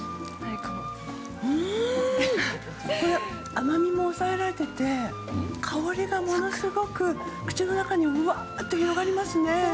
甘みも抑えられていて香りがものすごく口の中にぶわーっと広がります。